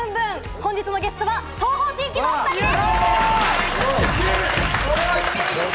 本日のゲストは東方神起の２人です！